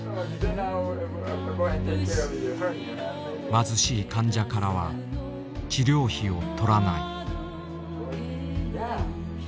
貧しい患者からは治療費を取らない。